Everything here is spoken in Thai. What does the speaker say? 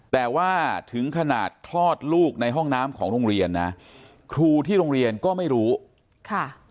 แต่ว่าถึงขนาดคลอดลูกในห้องน้ำของโรงเรียนนะครูที่โรงเรียนก็ไม่รู้ค่ะ